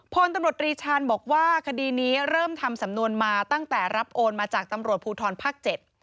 พลตำรวจรีชาญบอกว่าคดีนี้เริ่มทำสำนวนมาตั้งแต่รับโอนมาจากตำรวจภูทรภาค๗